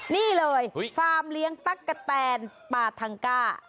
นี่เลยฟาร์มเลี้ยงตั๊กกะแตนปาทังก้า